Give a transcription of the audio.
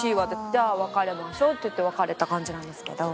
「じゃあ別れましょう」って言って別れた感じなんですけど。